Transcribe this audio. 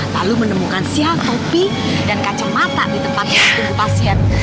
lalu menemukan sial topi dan kacamata di tempat yang ditunggu pasien